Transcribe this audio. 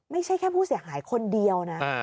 ไม่ใช่แค่ผู้เสียหายคนเดียวนะ